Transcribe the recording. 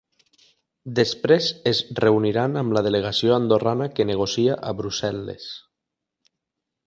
Després es reuniran amb la delegació andorrana que negocia a Brussel·les.